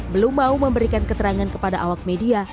belum mau memberikan keterangan kepada awak media